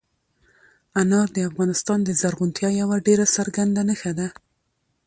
انار د افغانستان د زرغونتیا یوه ډېره څرګنده نښه ده.